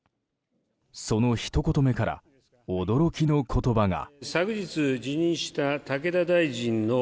そのひと言目から驚きの言葉が。